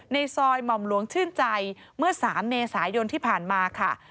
ในซอยหม่อมหลวงชื่นใจเมื่อ๓เมษายนที่ผ่านมาค่ะ